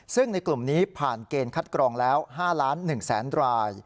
ซึ่งในกลุ่มนี้ผ่านเกณฑ์คัดกรองแล้ว๕๑๐๐๐ราย